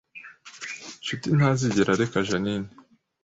Nshuti ntazigera areka Jeaninne